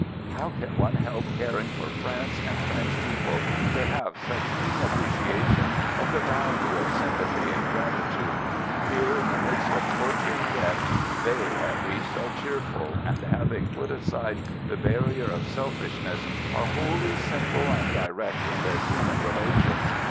How can one help caring for France and French people — they have such keen appreciation of the value of sympathy and gratitude. Here in the midst of tortur ing death, they at least are cheerful, and, 126 AMERICAN AMBULANCE having put aside the barrier of selfishness are wholly simple and direct in their hu man relations.